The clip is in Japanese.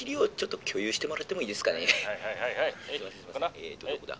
えっとどこだ？